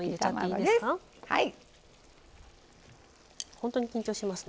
本当に緊張しますね。